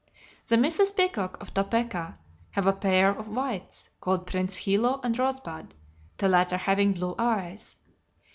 The Misses Peacock, of Topeka, have a pair of whites called Prince Hilo and Rosebud, the latter having blue eyes.